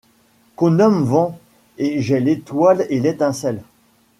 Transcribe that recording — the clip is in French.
Qu’on nomme vent ; et j’ai l’étoile et l’étincelle